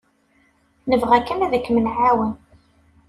Nebɣa kan ad kem-nεawen.